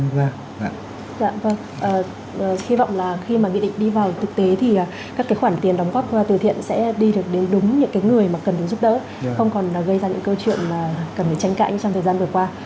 vâng hy vọng là khi mà nghị định đi vào thực tế thì các cái khoản tiền đóng góp từ thiện sẽ đi được đến đúng những người mà cần được giúp đỡ không còn gây ra những câu chuyện mà cần phải tranh cãi trong thời gian vừa qua